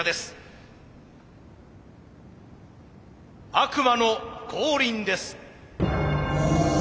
悪魔の降臨です。